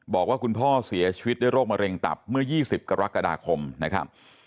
บอกว่าคุณพ่อเสียชีวิตด้วยโรคมะเร็งตับเมื่อ๒๐กรกฎาคมนะครับ